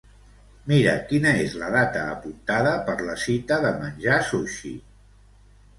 Mira quina és la data apuntada per la cita de menjar sushi.